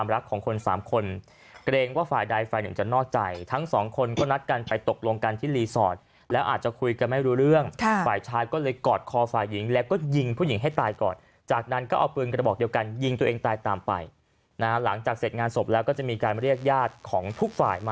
รับไม่ได้ผมคิดว่า